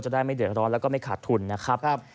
จะได้ไม่เดี๋ยวร้อนและไม่ขาดทุนนะครับ